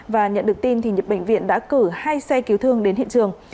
và nhận được tin thì bệnh viện đã cử hai xe cứu thương đến hiện trường